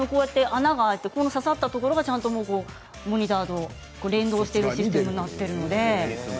穴が開いて刺さったところがモニターで連動しているシステムになっています。